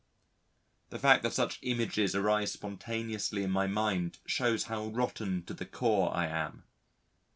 '" The fact that such images arise spontaneously in my mind, show how rotten to the core I am.